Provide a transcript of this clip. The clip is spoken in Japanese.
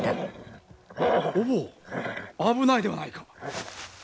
お坊危ないではないか！